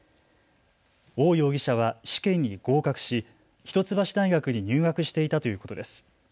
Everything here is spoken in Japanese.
王容疑者は試験に合格し一橋大学に入学していたということです。